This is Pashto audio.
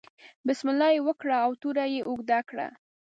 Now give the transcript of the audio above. بسم الله یې وکړه او توره یې اوږده کړه.